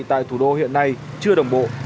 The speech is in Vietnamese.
tại thủ đô hiện nay chưa đồng bộ